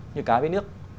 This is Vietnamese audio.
như cá với nước